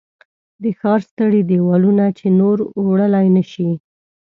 د ښار ستړي دیوالونه یې نور وړلای نه شي